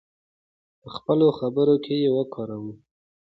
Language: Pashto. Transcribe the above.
په خپلو خبرو کې یې وکاروو.